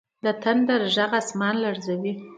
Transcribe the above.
د تندر ږغ اسمان لړزوي.